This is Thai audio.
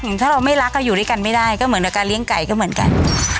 ถ้าเราไม่รักก็อยู่ด้วยกันไม่ได้ก็เหมือนกับการเลี้ยงไก่ก็เหมือนกัน